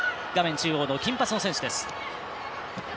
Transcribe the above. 中央の金髪の選手です。